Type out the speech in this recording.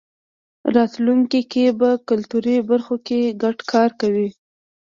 راتلونکی کې به کلتوري برخو کې ګډ کار کوی.